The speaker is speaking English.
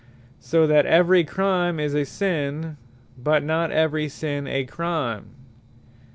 So that every Crime is a sinne; but not every sinne a Crime.